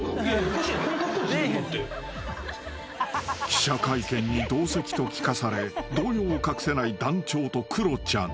［記者会見に同席と聞かされ動揺を隠せない団長とクロちゃん］